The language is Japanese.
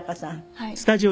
はい。